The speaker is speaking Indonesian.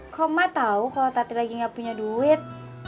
kok mak tau kalo tati lagi gak punya duit